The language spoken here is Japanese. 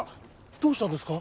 どうしたんですか？